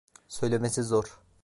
Söylemesi zor.